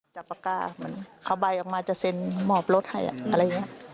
จับปากกาเหมือนเขาใบออกมาจะเซ็นหมอบรถให้อะไรอย่างนี้